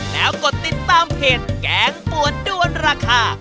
แล้วกดติดตามเพจแกงปวดด้วนราคา